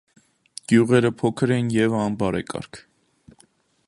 Գյուղերը փոքր էին և անբարեկարգ։